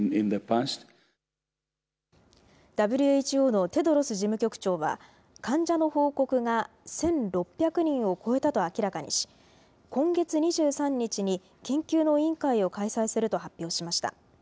ＷＨＯのテドロス事務局長は、患者の報告が１６００人を超えたと明らかにし、今月２３日に緊急の委員会を開催すると発表しました。